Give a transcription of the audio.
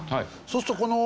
そうするとこの。